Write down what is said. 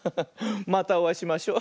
またおあいしましょ。